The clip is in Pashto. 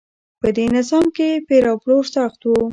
په دې نظام کې پیر او پلور سخت و.